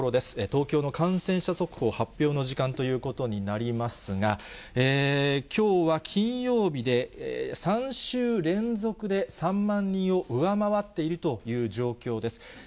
東京の感染者速報発表の時間ということになりますが、きょうは金曜日で、３週連続で３万人を上回っているという状況です。